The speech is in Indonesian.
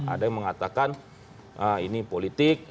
ada yang mengatakan ini politik